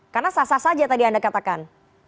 karena sah sah saja tadi anda katakan